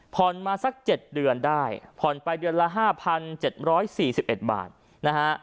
ผ่อนมาสักเจ็ดเดือนได้ผ่อนไปเดือนละห้าพันเจ็ดร้อยสี่สิบเอ็ดบาทนะฮะ